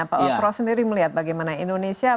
pak opro sendiri melihat bagaimana indonesia